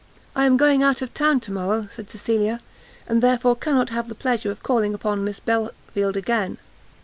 "I am going out of town to morrow," said Cecilia, "and therefore cannot have the pleasure of calling upon Miss Belfield again."